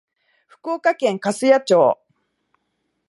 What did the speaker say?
福岡県粕屋町